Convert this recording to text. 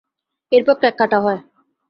এরপর কেক কাটা হয়।